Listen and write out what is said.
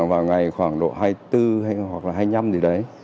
vào ngày khoảng độ hai mươi bốn hay hoặc là hai mươi năm gì đấy